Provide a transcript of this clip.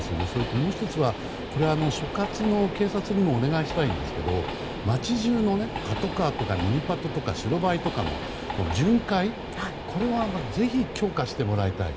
もう１つは所轄の警察にもお願いしたいんですが街中のパトカーとかミニパトとか白バイとかの巡回ぜひ、強化してもらいたい。